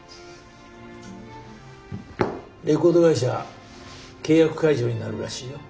レコード会社契約解除になるらしいよ。